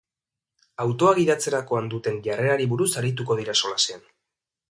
Autoa gidatzerakoan duten jarrerari buruz arituko dira solasean.